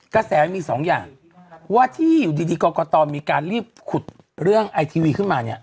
กระแสมีสองอย่างว่าที่อยู่ดีกรกตมีการรีบขุดเรื่องไอทีวีขึ้นมาเนี่ย